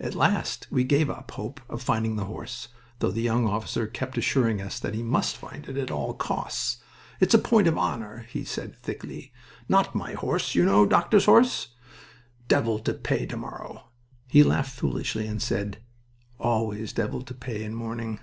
At last we gave up hope of finding the horse, though the young officer kept assuring us that he must find it at all costs. "It's a point of honor," he said, thickly. "Not my horse, you know Doctor's horse. Devil to pay to morrow." He laughed foolishly and said: "Always devil to pay in morning."